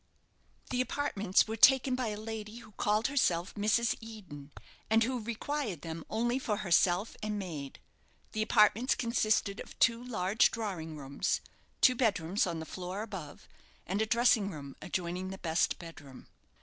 The apartments were taken by a lady who called herself Mrs. Eden, and who required them only for herself and maid. The apartments consisted of two large drawing rooms, two bedrooms on the floor above, and a dressing room adjoining the best bedroom.